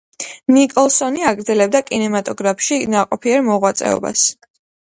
ნიკოლსონი აგრძელებდა კინემატოგრაფში ნაყოფიერ მოღვაწეობას.